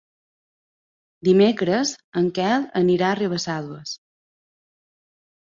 Dimecres en Quel anirà a Ribesalbes.